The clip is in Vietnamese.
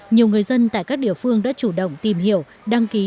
nhiều người dân tại các địa phương đã chủ động tìm hiểu đăng ký